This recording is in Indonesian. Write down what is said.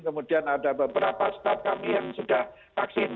kemudian ada beberapa staff kami yang sudah vaksin